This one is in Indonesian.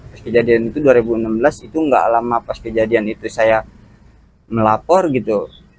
pas kejadian itu dua ribu enam belas itu nggak lama pas kejadian itu saya melapor gitu